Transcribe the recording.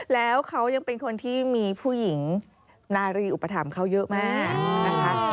แล้วเขายังเป็นคนที่มีผู้หญิงนารีอุปถัมภ์เขาเยอะมากนะคะ